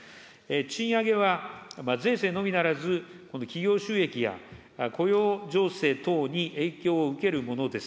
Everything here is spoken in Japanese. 賃上げは税制のみならず、企業収益や雇用情勢等に影響を受けるものです。